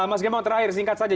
mas gembong terakhir singkat saja